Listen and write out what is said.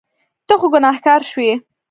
ته خو ګناهګار شوې.